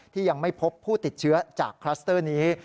ยังไม่พบผู้ติดเชื้อจากคลัสเตอร์นี้